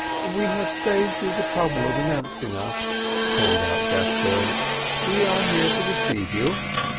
"We have saved you the trouble of announcing us," called out Gascoigne. "We are here to receive you."